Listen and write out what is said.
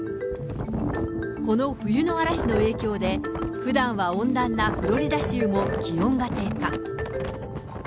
この冬の嵐の影響で、ふだんは温暖なフロリダ州も気温が低下。